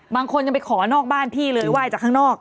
บางคนยังไปขอนอกบ้านพี่เลยไหว้จากข้างนอก